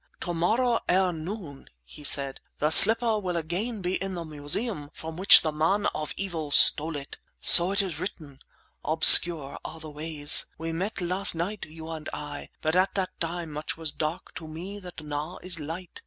"To morrow, ere noon," he said, "the slipper will again be in the Museum from which the man of evil stole it. So it is written; obscure are the ways. We met last night, you and I, but at that time much was dark to me that now is light.